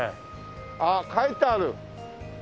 あっ書いてある。